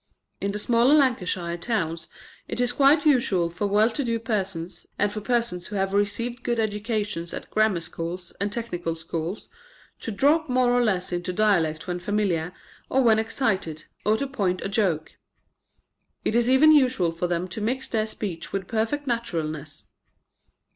In the smaller Lancashire towns it is quite usual for well to do persons, and for persons who have received good educations at grammar schools and technical schools, to drop more or less into dialect when familiar, or when excited, or to point a joke. It is even usual for them to mix their speech with perfect naturalness.